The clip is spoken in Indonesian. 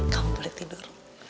kamu boleh tidur